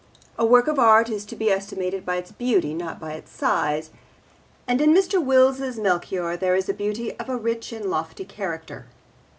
A work of art is to be estimated by its beauty not by its size, and in Mr. Wills's Melchior there is beauty of a rich and lofty character.